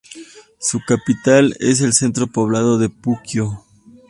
Su capital es el centro poblado de Puquio.